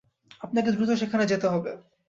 আপনাকে দ্রুত সেখানে যেতে হবে।